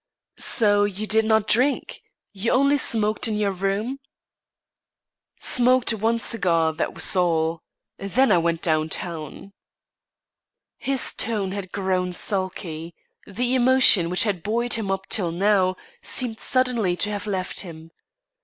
"So you did not drink? You only smoked in your room?" "Smoked one cigar. That was all. Then I went down town." His tone had grown sulky, the emotion which had buoyed him up till now, seemed suddenly to have left him.